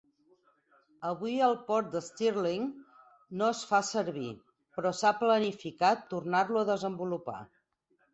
Avui, el port de Stirling no es fa servir, però s'ha planificat tornar-lo a desenvolupar.